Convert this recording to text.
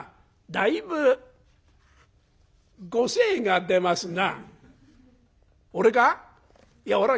「だいぶご精が出ますな」。